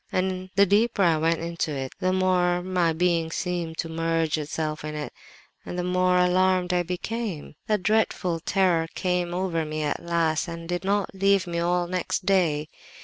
and the deeper I went into it the more my being seemed to merge itself in it, and the more alarmed I became. A dreadful terror came over me at last, and did not leave me all next day.